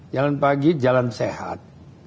jalan pagi jalan sehat